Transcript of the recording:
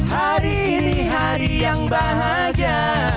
hari ini hari yang bahagia